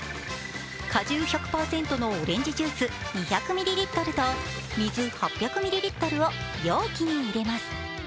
果汁１００％のオレンジジュース２００ミリリットルと水８００ミリリットルを容器に入れます。